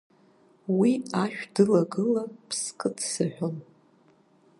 Уи ашә дылагыла ԥскы дсыҳәон…